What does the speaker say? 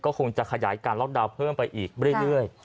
คงจะขยายการล็อกดาวน์เพิ่มไปอีกเรื่อย